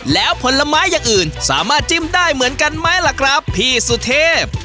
แล้วผลไม้อย่างอื่นสามารถจิ้มได้เหมือนกันไหมล่ะครับพี่สุเทพ